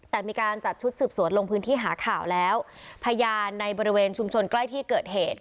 แต่มีการจัดชุดสืบสวนลงพื้นที่หาข่าวแล้วพยานในบริเวณชุมชนใกล้ที่เกิดเหตุ